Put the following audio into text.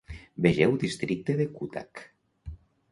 Vegeu Districte de Cuttack.